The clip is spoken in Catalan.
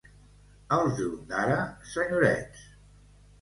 Els d'Ondara, senyorets.